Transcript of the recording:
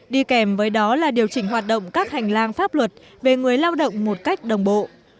đi kèm với đó là điều chỉnh hoạt động các hành lang pháp luật về người lao động một cách đồng bộ